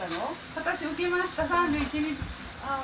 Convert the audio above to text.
私受けました３１日ああ